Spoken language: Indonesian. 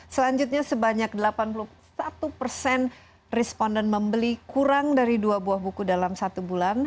selanjutnya sebanyak delapan puluh satu persen responden membeli kurang dari dua buah buku dalam satu bulan